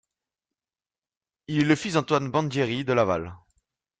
Il est le fils d'Antoine Bandieri de Laval.